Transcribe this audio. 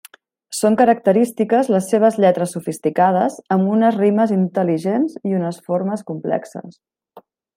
Són característiques les seves lletres sofisticades, amb unes rimes intel·ligents i unes formes complexes.